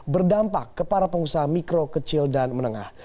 berdampak ke para pengusaha mikro kecil dan menengah